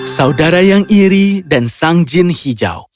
saudara yang iri dan sang jin hijau